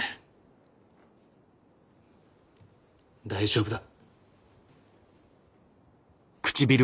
大丈夫だ。